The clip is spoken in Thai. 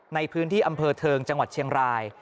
ในพื้นที่อำเภอเทิงจังหวัดเชียงราย